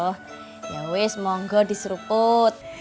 ya wis monggo diseruput